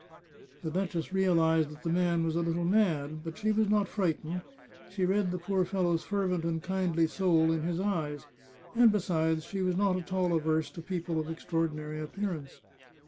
The duchess realized that the man was a little mad, but she was not frightened, she read the poor fellow's fervent and kindly soul in his eyes, and besides, she was not at all averse to people of extraordi nary appearance.